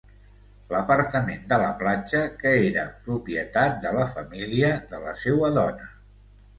L'apartament de la platja que era propietat de la família de la seua dona.